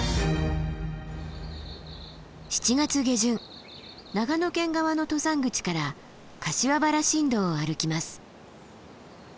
７月下旬長野県側の登山口から柏原新道を歩きます。